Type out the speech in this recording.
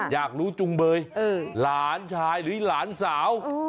อยากรู้จุงเบยหลานชายหรือหลานสาว